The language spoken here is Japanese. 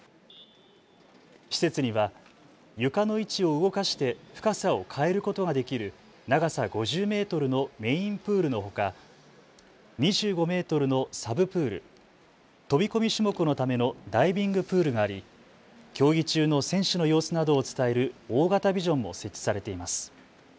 施設には床の位置を動かして深さを変えることができる長さ５０メートルのメインプールのほか２５メートルのサブプール、飛び込み種目のためのダイビングプールがあり競技中の選手の様子などを伝える大型ビジョンも設置されています。